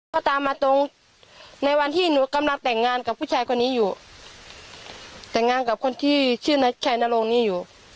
ก็ตามมาตรงในวันที่หนูกำลังแต่งงานกับผู้ชายคนนี้อยู่แต่งงานกับคนที่ชื่อนายชัยนรงค์นี้อยู่